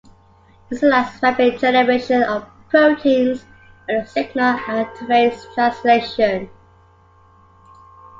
This allows rapid generation of proteins when a signal activates translation.